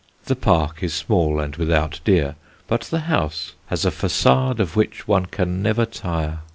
The park is small and without deer, but the house has a façade of which one can never tire.